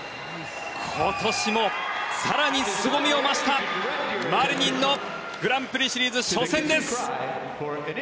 今年も更にすごみを増したマリニンのグランプリシリーズ初戦です。